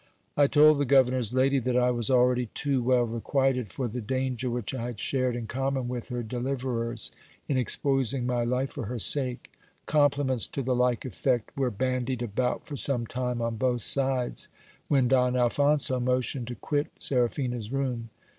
I told the governor's lady that I was already too well requited for the danger which I had shared in common with her de liverers, in exposing my life for her sake : compliments to the like effect were bandied about for some time on both sides, when Don Alphonso motioned to quit Seraphina's room.